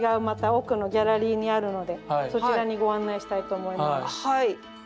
また奥のギャラリーにあるのでそちらにご案内したいと思います。